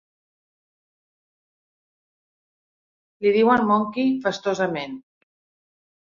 Li diuen Monkey festosament.